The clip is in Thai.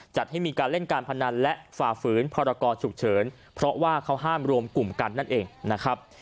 จัดให้มีการเล่นการพนันและฝ่าฝืนพรกรฉุกเฉินเพราะว่าเขาห้ามรวมกลุ่มกันนั่นเองนะครับ